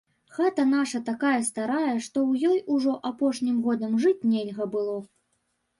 Хата наша такая старая, што ў ёй ужо апошнім годам жыць нельга было.